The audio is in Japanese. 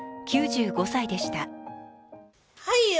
９５歳でした。